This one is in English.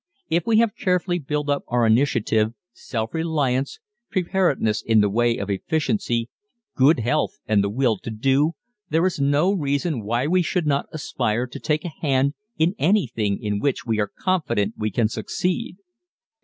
If we have carefully built up our initiative, self reliance, preparedness in the way of efficiency, good health and the will to do, there is no reason why we should not aspire to take a hand in anything in which we are confident we can succeed.